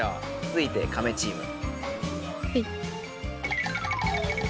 つづいてカメチーム。